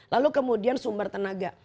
lalu kemudian sumber tenaga